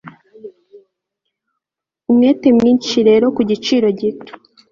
Umwete mwinshi rero ku giciro gito